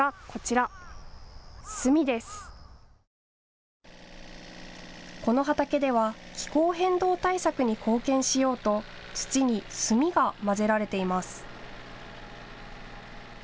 この畑では気候変動対策に貢献しようと土に炭が混ぜられています。